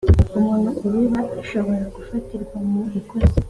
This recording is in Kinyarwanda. umuntu ubiba ashobora kufatirwa mu ikosa.